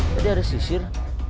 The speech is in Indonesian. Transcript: tadi ada sisir